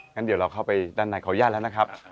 งั้นเดี๋ยวเราเข้าไปด้านในขออนุญาตแล้วนะครับ